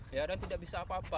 ada yang tidak bisa apa apa